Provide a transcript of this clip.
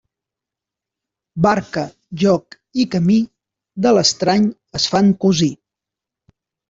Barca, joc i camí, de l'estrany es fan cosí.